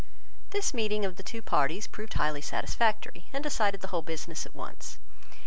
This meeting of the two parties proved highly satisfactory, and decided the whole business at once.